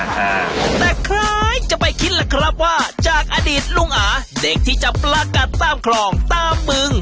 แต่ใครจะไปคิดล่ะครับว่าจากอดีตลุงอาเด็กที่จับปลากัดตามคลองตามบึง